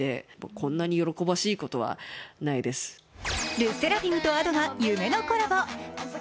ＬＥＳＳＥＲＡＦＩＭとＡｄｏが夢のコラボ。